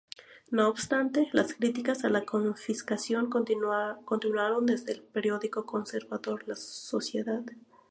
No obstante, las críticas a la confiscación continuaron desde el periódico conservador "La Sociedad".